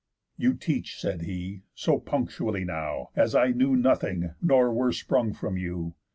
"You teach," said he, "so punctually now, As I knew nothing, nor were sprung from you.